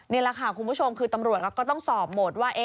นี่แหละค่ะคุณผู้ชมคือตำรวจก็ต้องสอบหมดว่า